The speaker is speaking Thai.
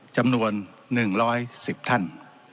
จำนวน๑๑๐ท่าน